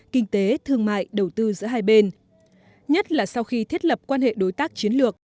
kinh tế thương mại đầu tư giữa hai bên nhất là sau khi thiết lập quan hệ đối tác chiến lược